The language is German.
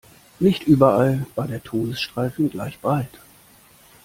Nicht überall war der Todesstreifen gleich breit.